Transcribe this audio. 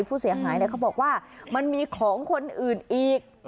ผู้เสียหายเขาบอกว่ามันมีของคนอื่นอีก